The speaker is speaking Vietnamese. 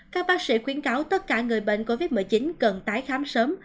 các bác sĩ khuyến cáo tất cả người bệnh covid một mươi chín cần tái khám sớm